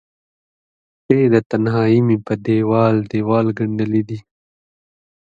شپې د تنهائې مې په دیوال، دیوال ګنډلې دي